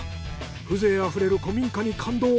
風情溢れる古民家に感動。